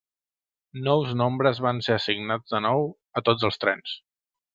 Nous nombres van ser assignats de nou a tots els trens.